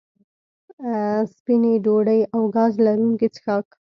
سپینې ډوډۍ او ګاز لرونکي څښاک